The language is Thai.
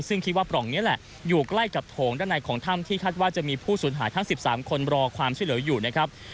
ซึ่งคิดว่าปล่องนี้แหละอยู่ใกล้กับโถงด้านในของถ้ำที่คาดว่าจะมีผู้สูญหายทั้ง๑๓คนรอความช่วยเหลืออยู่นะครับ